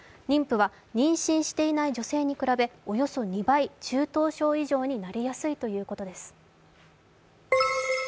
妊婦は妊娠していない女性に比べおよそ２倍中等症以上になりやすいということです。